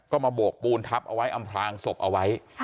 ก็มาโบกปูนทับเอาไว้อำพลางศพเอาไว้